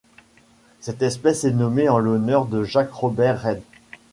Cette espèce est nommée en l'honneur de Jack Robert Reid.